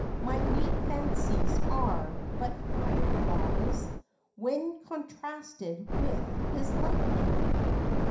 My weak fancies are but fire flies, When contrasted with his lightning.